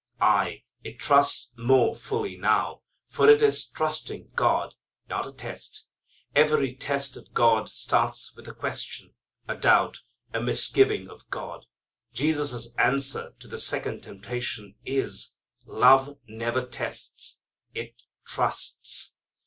Aye, it trusts more fully now, for it is trusting God, not a test. Every test of God starts with a question, a doubt, a misgiving of God. Jesus' answer to the second temptation is: love never tests. It trusts.